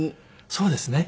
そうですね。